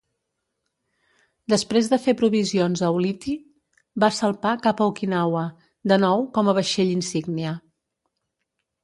Després de fer provisions a Ulithi, va salpar cap a Okinawa, de nou com a vaixell insígnia.